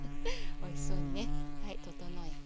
おいしそうにねはい整えて。